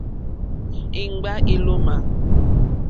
Íŋɡbâ ílómà.